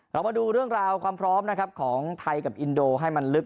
เรามาดูเรื่องราวความพร้อมนะครับของไทยกับอินโดให้มันลึก